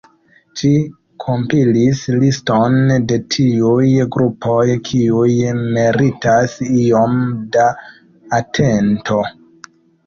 Ĝi kompilis liston de tiuj grupoj, kiuj meritas iom da atento.